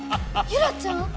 ユラちゃん⁉